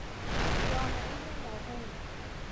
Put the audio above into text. جامعهُ موهوم